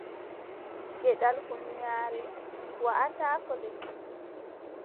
Geɗal hunyaare waʼataako lekki.